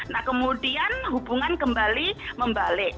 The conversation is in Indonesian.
nah kemudian hubungan kembali membalik